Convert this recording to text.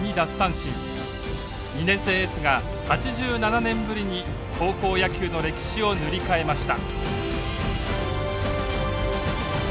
２年生エースが８７年ぶりに高校野球の歴史を塗り替えました。